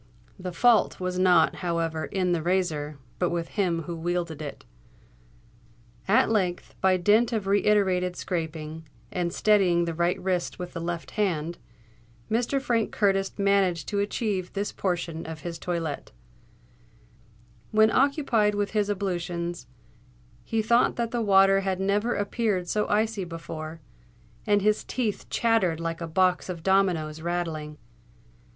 The fault was not, however, in the razor, but with him who wielded it. At length, by dint of reiterated scraping, and steadying the right wrist with the left hand, Mr. Frank Curtis managed to achieve this portion of his toilette. When occupied with his ablutions, he thought that the water had never appeared so icy cold before; and his teeth chattered like a box of dominoes rattling.